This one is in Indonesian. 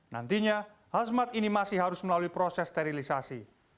nantinya hazmat ini masih harus melalui proses sterilisasi